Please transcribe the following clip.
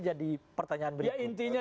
jadi pertanyaan berikutnya ya intinya